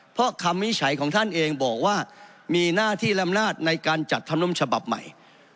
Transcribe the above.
เพราะคำวิจัยของท่านเองบอกว่ามีหน้าที่ลำนาจในการจัดธรรมนุมฉบับใหม่